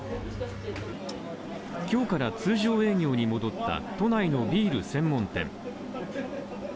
今日から通常営業に戻った都内のビール専門店。